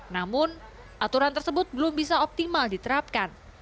namun aturan tersebut belum bisa optimal diterapkan